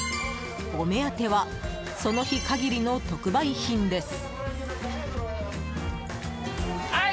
お目当てはその日限りの特売品です。